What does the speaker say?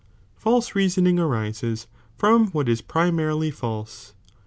K9E reasoning arises from what is primarily fklse.